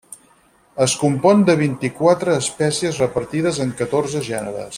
Es compon de vint-i-quatre espècies repartides en catorze gèneres.